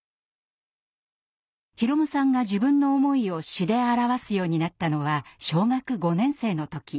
宏夢さんが自分の思いを詩で表すようになったのは小学５年生の時。